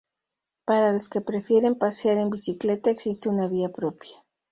Para los que prefieran pasear en bicicleta existe una vía propia.